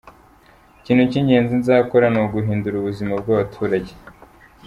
Ikintu cy’ingenzi nzakora ni uguhindura ubuzima bw’abatrage.